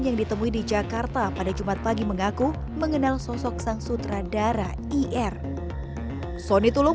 yang ditemui di jakarta pada jumat pagi mengaku mengenal sosok sang sutradara ir soni tulung